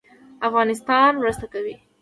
او مرسته کوي.